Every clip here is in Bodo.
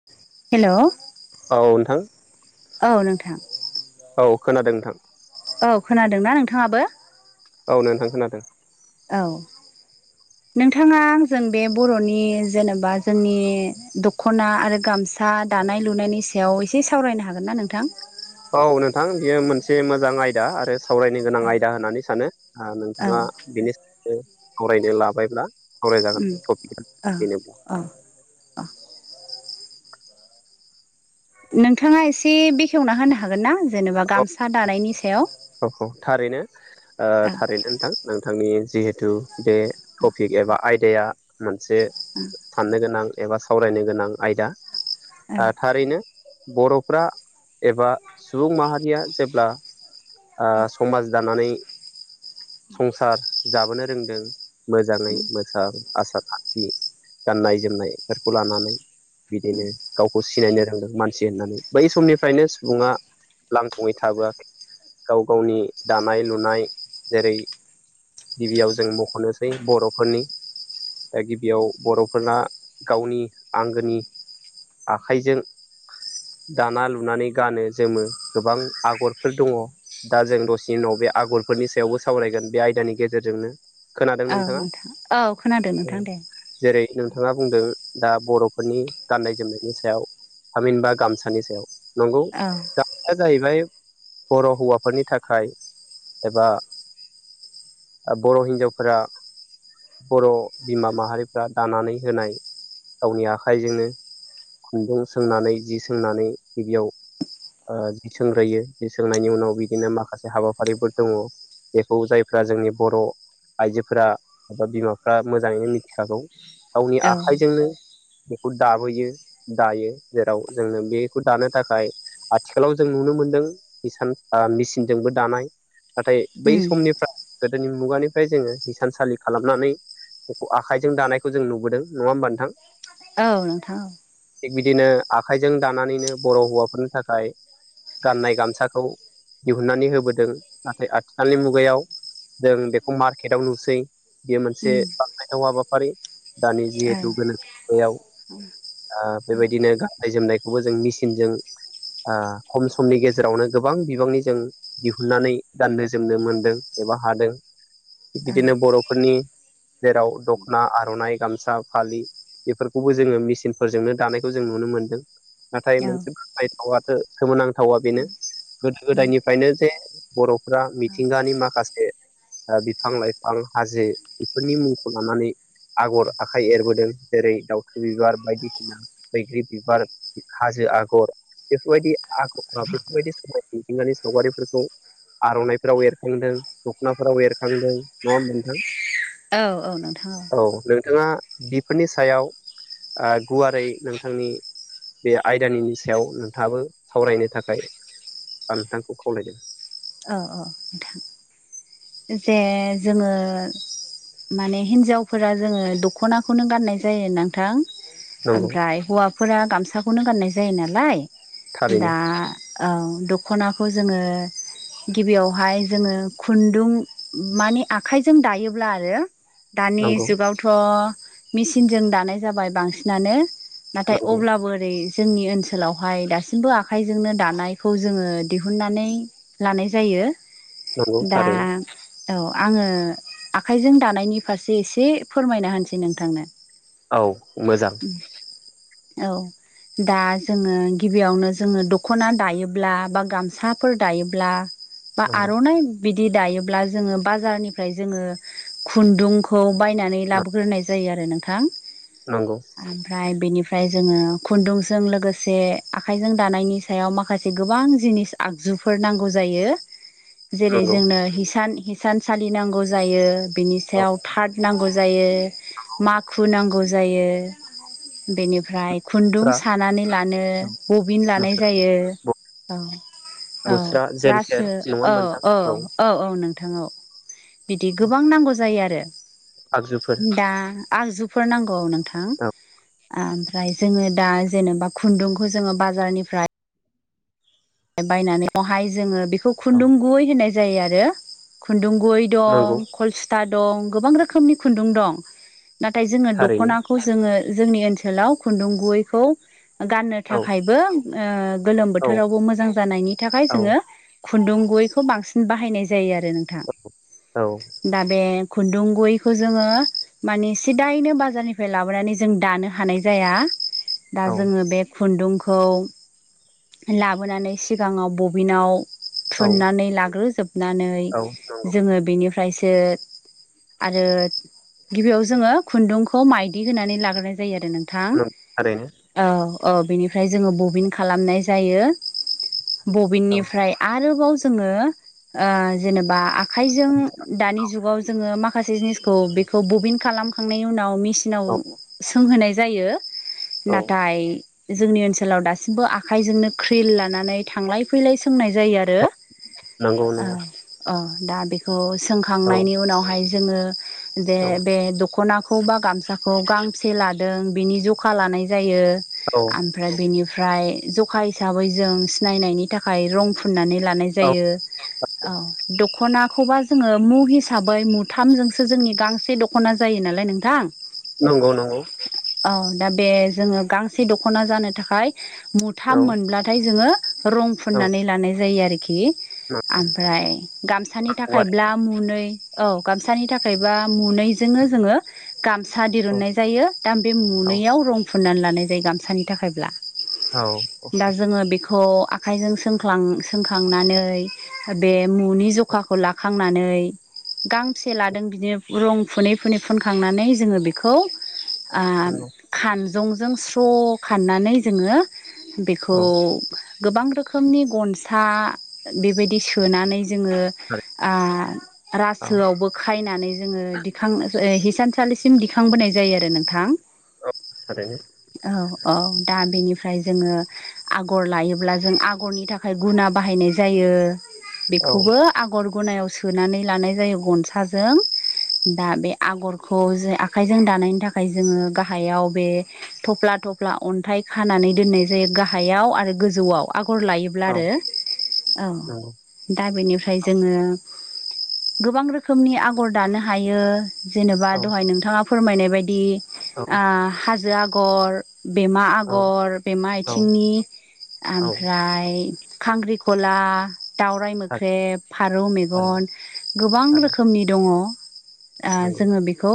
[inaudible] हेलौ औ नोंथां औ नोंथां औ खोनादों नोंथां औ खोनादोंना नोंथाङाबो औ नोंथां खोनादों औ नोंथाङा आंजों बे बर'नि जेनेबा जोंनि दख'ना आरो गाम सा दानाय लुनायनि सायाव एसे सावरायनो हागोन ना नोंथां। औ नोंथां बियो मोनसे मोजां आयदा आरो सावरायनो गोनां आयदा होननानै सानो। ओ औ नोंथाङा बेनि सायाव सावरायनो लाबायब्ला सावरायजागोन टपिकआ अम बेनोब्ला औ औ औ नोंथाङा एसे बेखेवना होनो हागोन ना जेनेबा औ गामसा दानायनि सायाव। औ औ थारैनो औ थारैनो नोंथां नोंथांनि जिहेथु बे टपिक एबा आयदाया मोनसे साननो गोनां एबा सावरायनो गोनां आयदा। औ ओ थारैनो बर'फ्रा एबा सुबुं माहारिया जेब्ला ओ समाज दानानै संसार जाबोनो रोंदों मोजाङै मोजां आसार खान्थि गाननाय जोमनायफोरखौ लानानै बिदिनो गावखौ सिनायनो रोंदों मानसि होननानै बै समनिफ्रायनो सुबुङा लांथङै थाबोआखै गाव गावनि दानाय लुनाय जेरै गिबियाव जों मख'नोसै बर'फोरनि दा गिबियाव बर'फोरना गावनि आंगोनि आखाइजों दाना लुनानै गानो जोमो गोबां आगरफोर दङ दा जों दसेनि उनाव बे आगरफोरनि सायावबो सावरायगोन बे आयदानि गेजेरजोंनो खोनादों औ नोंथाङा नोंथां औ खोनादों औ नोंथां दे जेरै नोंथाङा बुंदों दा बर'फोरनि गाननाय जोमनायनि सायाव थामिनबा गामसानि सायाव नंगौ औ गामसाया जाहैबाय बर' हौवाफोरनि थाखाय एबा बर' हिन्जावफोरा बर' बिमा माहारिफ्रा दानानै होनाय गावनि आखाइजोंनो खुन्दुं सोंनानै जि सोंनानै गिबियाव जि सोंग्रोयो जि सोंनायनि उनाव बिदिनो माखासे हाबाफारिफोर दङ। बेखौ जायफ्रा जोंनि बर' आइजोफोरा बा बिमाफ्रा मोजाङैनो मिथिखागौ गावनि औ आखाइजोंनो बेखौ दाबोयो दायो जेराव जोंनो बेखौ दानो थाखाय आथिखालाव जों नुनो मोनदों इसान मेसिनजोंबो दानाय नाथाय बै उम समनिफ्राय गोदोनि मुगानिफ्राय जोंङो हिसानसालि खालामनानै बेखौ आखाइजों दानायखौ जों नुबोदों नङा होमबा नोंथां। औ नोंथां। थिग बिदिनो आखाइजों दानानैनो बर' हौवाफोरनि थाखाय गाननाय गामसाखौ दिहुननानै होबोदों नाथाय आथिखालनि मुगायाव जों बेखौ मार्केटाव नुसै बेयो मोनसे उम बाखनायथाव हाबाफारि। दानि औ जिहेथु गोनोथयाव। बेबायदिनो गाननाय जोमनायखौबो जों मेसिनजों ओ खम समनि गेजेरावनो गोबां बिबांनि जों दिहुननानै गाननो जोमनो मोनदों एबा हादों थिग औ बिदिनो बर'फोरनि जेराव दख'ना आर'नाइ गामसा फालि बेफोरखौबो जोङो मेचिनफोरजोंनो दानायखौ जों नुनो मोनदों नाथाय मोनसे खायथावाथ' सोमोनांथावा बेनो गोदो गोदायनिफ्रायनो जे बर'फ्रा मिथिंगानि माखासे ओ बिफां लाइफां हाजो बेफोरनि मुंखौ लानानै आगर आखाइ एरबोदों जेरै दाउथु बिबार बायदिसिना। बैग्रि बिबार हाजो आगर। बेफोरबायदि आख बेफोरबायदि समाय बिथिंगानि सावगारिफोरखौ आर'नाइफोराव एरखांदों दख'नाफोराव एरखांदों नङा नोंथां। औ औ नोंथा औ। औ नोंथाङा बिफोरनि सायाव गुवारै नोंथांनि बे आयदानि सायाव नोंथाङाबो सावरायनो थाखाय आं नोंथांखौ खावलायदों। औ औ नोंथां। जे जोङो माने हिनजावफोरा जोङो दख'नाखौनो गाननाय जायो नोंथां। नंगौ ओमफ्राय हौवाफोरा गामसाखौनो गाननाय जायो नालाय थारैनो दा औ दख'नाखौ जोङो गिबियावहाय जोङो खुन्दुं माने आखाइजों दायोब्ला आरो दानि नंगौ जुगावथ' थ' मेसिनजों दानाय जाबाय बांसिनानो नाथाय नंगौ अब्लाबो ओरै जोंनि ओनसोलावहाय दासिमबो आखाइजोंनो दानायखौ जोङो दिहुननानै लानाय जायो। नंगौ दा थारै। औ आङो आखाइजों दानायनि फारसे एसे फोरमायना होनसै नोंथांनो। औ मोजां। औ दा जोङो गिबियावनो जोङो दख'ना दायोब्ला बा गामसाफोर दायोब्ला बा नंगौ आर'नाइ बिदि दायो ब्ला जोङो बाजारनिफ्राय जोङो खुन्दुंखौ बाय नानै बायनानै लाबोग्रोनाय जायो आरो नोंथां। नंगौ ओमफ्राय बेनिफ्राय जोङो खुन्दुंजों लोगोसे आखाइजों दानायनि सायाव माखासे गोबां जिनिस आगजुफोर नांगौ जायो। जेरै नंगौ जोंनो हिसान हिसानसालि नांगौ जायो बिनि औ सायाव थाद नांगौ जायो। माखु नांगौ जायो बेनिफ्राय खुन्दुं मुस्रा सानानै लानो बबिन लानाय मुस्रा जायो। औ औ मुस्रा रासो जेनथेर नङा औ होमबा नोंथां औ औ औ नोंथां औ बिदि गोबां नांगौ जायो आरो आगजुफोर दा आगजुफोर नांगौ नोंथां। औ ओमफ्राय जोङो दा जेनेबा खुन्दुंखौ जोङो बाजारनिफ्राय बायनानै बेावहाय जोङो बेखौ औ खुन्दुं गुयै होनाय जायो आरो खुन्दुं गुयै नंगौ दं [unintelligible] दं गोबां रोखोमनि खुन्दुं दं। नाथाय जोङो थारैनो दखनाखौ खौ जोङो जोंनि ओनसोलाव खुन्दुं गुबैखौ गाननो औ थाखायबो गोलोम ओ औ बोथोरावबो मोजां जानायनि थाखाय औ जोङो खुन्दुं गुबैखौ बांसिन बाहायनाय जायो आरो नोंथां। दा बे खुन्दुं गुबैखौ जोङो माने सिदायैनो बाजारनिफ्राय लाबोनानै जों दानो हानाय जाया। दा औ जोङो बे खुन्दुंखौ लाबोनानै सिगाङाव बबिनाव औ थुननानै लाग्रोजोबनानै औ नंगौ जोङो बेनिफ्रायसो आरो गिबियाव जोङो खुन्दुंखौ माइदि होनानै लाग्रोनाय जायो आरो नों नंगौ थारैनो। औ औ बेनिफ्राय जोङो बबिन खालामनाय जायो। बबिननिफ्राय आरोबाव जोङो ओ जेनेबा आखाइजों दानि जुगाव जोङो माखासे जिनिसखौ बेखौ बबिन खालामखांनायनि उनाव मि- सिनाव औ सोंहैनाय जायो। औ नाथाय जोंनि ओनसोलाव दासिमबो आखायजोंनो क्रिल लानानै थांलाय-फैलाय सोंनाय जायो आरो। नंगौ औ नंगौ औ दा बेखौ औ सोंखांनायनि उनावहाय जोङो दे औ बे दख'ना- खौ बा गामसाखौ गांबोसे लादों बेनि जखा लानाय जायो। औ आमफ्राय बेनिफ्राय ज'खा हिसाबै जों सिनायनायनि थाखाय रं फुननानै लानाय औ जायो। औ दख'नाखौबा जोङो मु हिसाबै मुथामजोंसो जोंनि गांसे दख'- ख'ना जायो नालाय नोंथां। नंगौ नंगौ औ दा बे जोङो गांसे दख'ना जानो थाखाय मुथाम औ मोनब्लाथाय जोङो रं औ फुननानै लानाय जायो आरोखि। ओमफ्राय गामसानि नांखागौ आरो थाखायब्ला मुनै। औ गामसानि थाखायबा मुनै- जोंनो जोङो गामसा औ दिरुननाय जायो दा बे औ मुनैयाव रं फुननानै लानाय जायो गामसानि थाखायब्ला। औ औ दा जोङो बेखौ आखाइजों सोंख्लां सोंखांनानै बे मुनि जखाखौ लाखांनानै गांबोसे लादों बिदिनो रं फुनै फुनै फुनखांनानै जोङो बिखौ ओ नंगौ खानजंजों स्र' खाननानै जोङो खौ औ गोबां रोखोमनि गनसा बेबायदि सोनानै जोङो थारै आ औ रासोआवबो खायनानै जोङो दिखां ओ हिसानसालिसिम दिखांबोनाय जायो आरो नोंथां। औ थारैनो औ औ दा बेनिफ्राय जोङो आगर लायोब्ला जों आगरनि थाखाय गुना बाहायनाय जायो। औ बेखौबो आगर गुनायाव सोनानै लानाय जायो गनसाजों। दा बे आगरखौ जों आखाइजों दानायनि थाखाय जोङो गाहायाव बे थफ्ला थफ्ला अन्थाइ खानानै दोननाय- जायो गाहायाव आरो गोजौआव आगर लायोब्ला औ आरो औ नंगौ दा बेनिफ्राय जोङो गोबां रोखोमनि आगर दानो हायो। जेनेबा औ दहाय नोंथाङा फोरमायनाय बायदि औ आ हाजो आगर। बेमा औ आगर बेमा औ आयथिंनि औ ओमफ्राय खांख्रिख'ला दावराइ थारै मोख्रेब फारौ थारै मेगन गोबां थारै रोखोमनि दङ। ओ नंगौ जोङो बेखौ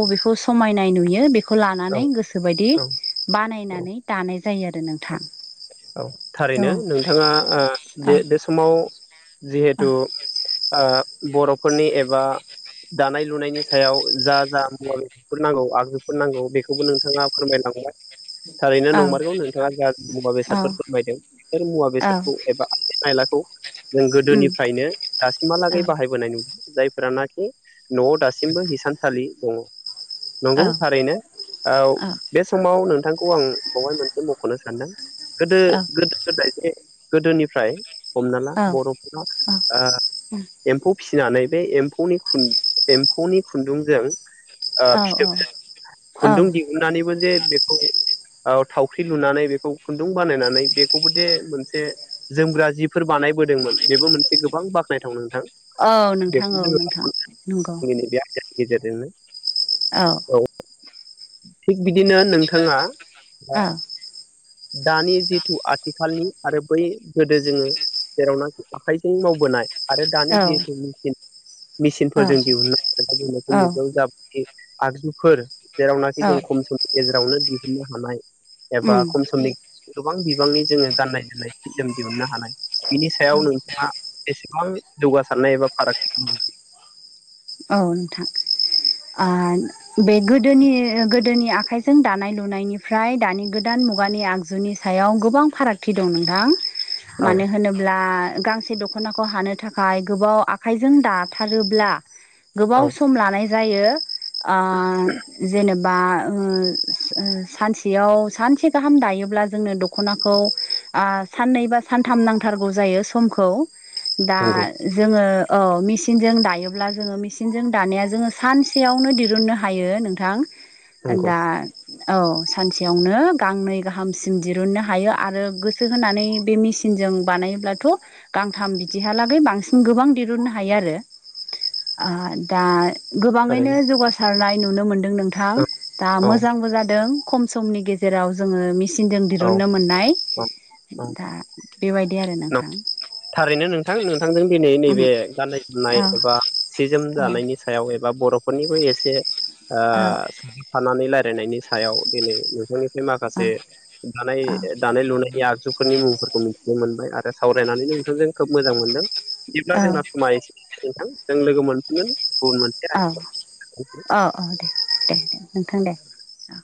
बबेखौ समायनाय नुयो बेखौ औ लानानै गोसोबायदि औ औ बानायनानै दानाय जायो आरो नोंथां। औ थारैनो औ नोंथाङा आ औ बे बे समाव। जिहेथुओ-बरफोरनि एबा दानाय लुनायनि सायाव जा जा मुवा बे फोर नांगौ आगजुफोर नांगौ बेखौबो नोंथाङा फोरमायलांबाय। थारैनो औ नंबारगौ नोंथाङा ज मुवा बेस औ फोरमायदों बिस मुवा औ बेसादखौ एबा आ आयलाखौ। जों उम गोदोनिफ्रायनो औ दासिमहालागै बाहायबोनाय नुदों। जायफोरानाखि नआव दासिमबो हिसानसालि दङ। नंगौ औ थारैनो औ बे समाव नोंथांखौ आं बवहाय मोनसे मखनो सानदों।। गोदो गोदो गोदाय जे गोदोनिफ्राय हमना ला बरफोरा एम्फौ फिसिनानै बे एम्फौ एम्फौनि खुन्दुंजों। औ औ-फिथोब औ खुन्दुं दि अनानैबो जे बेखौ थावख्रि लुनानै बेखौ खुन खुदुं बानायनानै बेखौबोदि मोनसे। जोमग्रा जिफोर बानायबोदोंमोन बेबो मोनसे गोबां बाख्नायथाव नोंथां। औ नोंथां औ नोंथां नंगौ [unintelligible] औ थिग बिदिनो नोंथाङा। औ दानि जिथु आथिखालनि आरो बै गोदो जोङो। जेरावना आखाइजों मावबोनाय। आरो दानि जिहेथु मसिन औ मेसिनफोर जों दिहुननायनायखौ मुगायाव औ जाबाय। आगजुफोर जेरावनाखि औ जों खम समनि गेजेरावनो दिहुननो हानाय एबा। उम खम समनि गोबां बिबांनि जोङो गाननाय जोमनाय सि जोम दिहुननो हानाय। बिनि औ सायाव नोंथाङा एसेबां जौगासारनाय एबा फारागथिखौ नु औ नोंथां ओ बे गोदोनि गोदोनि आखाइजों दानाय लुनायनिफ्राय दानि गोदान मुगानि आगजुनि। सायाव गोबां फारागथि दं नोंथां। औ मानो होनोब्ला गांसे दखनाखौ हानो थाखाय गोबाव आखाइजों दाथारोब्ला। गोबाव औ सम लानाय जायो ओ-जेनेबा। बा ओ-सानसेयाव सानसे गाहाम दायोब्ला जोंनो दखनाखौ। आ-साननै बा सानथाम नांथारगौ जायो समखौ। दा नंगौ जोङो ओ-मेचनजों दायो। अब्ला जोङो मेसिनजों दानाया जोङो सानसेयावनो दिरुननो हायो नोंथां। आ नंगौ दा। औ सानसेयावनो गांनै गाहामसिम दिरुननो हायो आरो गोसो होनानै बे मिस चनजों बानायोब्लाथ गांथाम बिदिहालागै बांसिन गोबां दहुननो हायो आरो। ओ दा गोबाङैनो थारैनो जौगासारनाय नुनो मोन नोंथां औ दा औ मोजांबो जादों खम समनि गेजेराव जोङो मि। सिनजों औ दिरुनन्नो मोननाय औ नंगौ दा बेबायदि आरो नोंथां। थारैनो नोंथां नोंथांजों दिनै नैबे गाननाय जोमनाय औ एबा। सि जोम औ जानायनि सायाव एबा बरफोरनिबो एसे औ ओ-सोदाबफानानै रायजलायनायनि सायाव दिनै नोंथांनिफ्राय औ माखासे। दानाय दानाय लुनायनि आगजुफोरनि मुंफोरखौ मिथिनो मोनबाय आरो सावरायनानै नोंथांजों खोब मोजां मोनदों। बिदिब्ला जोंना समा एसे नोंथां जों लोगो मोनफिगोन गुबुन मोनसे औ आयदायाव औ औ दे दे नोंथां दे। औ